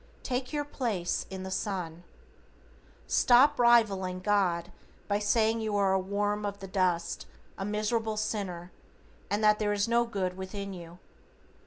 Take your place in the sun. Stop reviling God by saying you are a worm of the dust, a miserable sinner, and that there is no good within you.